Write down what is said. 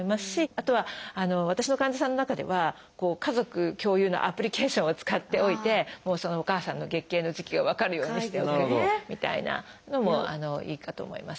あとは私の患者さんの中では家族共有のアプリケーションを使っておいてそのお母さんの月経の時期を分かるようにしておけるみたいなのもいいかと思います。